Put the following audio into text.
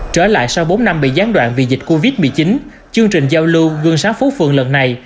trở lại sau bốn năm bị gián đoạn vì dịch covid một mươi chín chương trình giao lưu gương sáng phố phường lần này